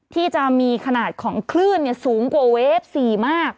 ที่จะมีขนาดของคลื่นสูงกว่าเวฟ๔มาก